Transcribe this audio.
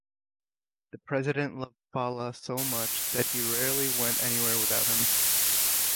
The President loved Fala so much that he rarely went anywhere without him.